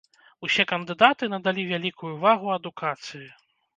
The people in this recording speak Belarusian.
Усе кандыдаты надалі вялікую ўвагу адукацыі.